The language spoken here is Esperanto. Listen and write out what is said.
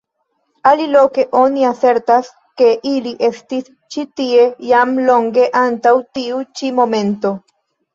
Aliloke oni asertas, ke ili estis ĉi tie jam longe antaŭ tiu ĉi momento.